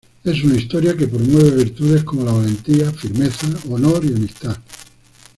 Es una historia que promueve virtudes como la valentía, firmeza, honor y amistad.